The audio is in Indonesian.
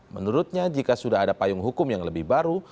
menurutnya jika sudah ada payung hukum yang lebih baru